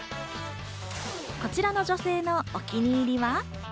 こちらの女性のお気に入りは。